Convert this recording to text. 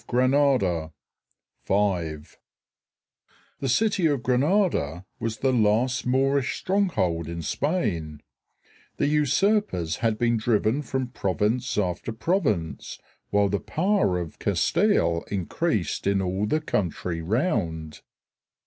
GRANADA, SPAIN] SPAIN AND GIBRALTAR Siege of Granada FIVE The city of Granada was the last Moorish stronghold in Spain. The usurpers had been driven from province after province, while the power of Castile increased in all the country round.